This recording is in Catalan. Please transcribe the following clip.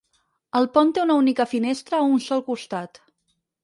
El pont té una única finestra a un sol costat.